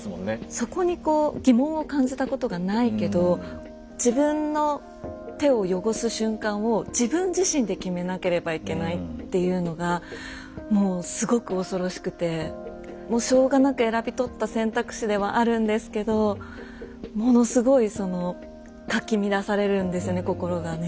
そこにこう疑問を感じたことがないけど自分の手を汚す瞬間を自分自身で決めなければいけないっていうのがもうすごく恐ろしくてもうしょうがなく選び取った選択肢ではあるんですけどものすごいそのかき乱されるんですよね心がね。